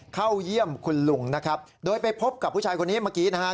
เข้าเยี่ยมคุณลุงนะครับโดยไปพบกับผู้ชายคนนี้เมื่อกี้นะฮะ